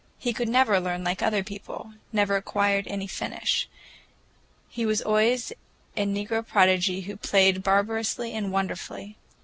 He could never learn like other people, never acquired any finish. He was always a negro prodigy who played barbarously and wonderfully.